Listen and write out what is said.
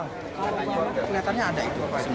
keliatannya ada itu